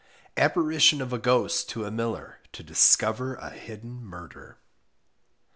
APPARITION OF A GHOST TO A MILLER, TO DISCOVER A HIDDEN MURDER.